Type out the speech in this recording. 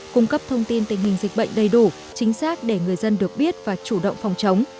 cung cấp thông tin tình hình dịch bệnh đầy đủ chính xác để người dân được biết và chủ động phòng chống